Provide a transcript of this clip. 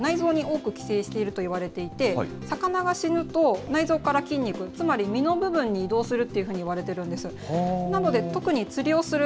これ、どういうことかといいますと、アニサキスというのは、内臓に多く寄生しているといわれていて、魚が死ぬと内臓から筋肉、つまり身の部分に移動するっていうふうにいわれてるんです。